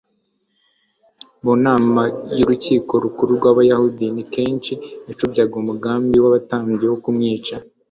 Mu nama y’Urukiko Rukuru rw’Abayahudi, ni kenshi yacubyaga umugambi w’abatambyi wo kumwica